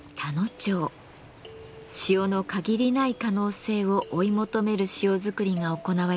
塩の限りない可能性を追い求める塩作りが行われています。